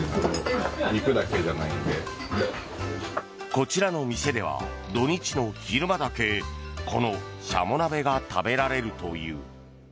こちらの店では土日の昼間だけこのシャモ鍋が食べられるという。